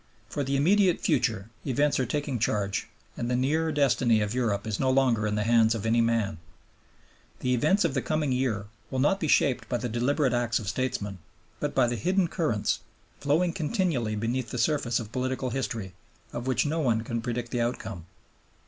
For the immediate future events are taking charge, and the near destiny of Europe is no longer in the hands of any man. The events of the coming year will not be shaped by the deliberate acts of statesmen, but by the hidden currents, flowing continually beneath the surface of political history, of which no one can predict the outcome.